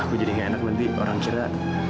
aku jadi gak enak nanti orang cerita